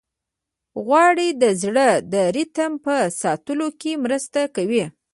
غوړې د زړه د ریتم په ساتلو کې مرسته کوي.